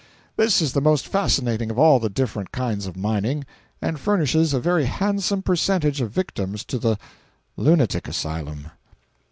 This is the most fascinating of all the different kinds of mining, and furnishes a very handsome percentage of victims to the lunatic asylum.